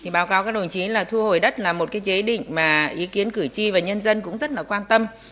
báo cáo các đồng chí là thu hồi đất là một chế định mà ý kiến cử tri và nhân dân cũng rất là quan tâm